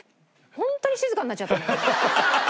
本当に静かになっちゃった。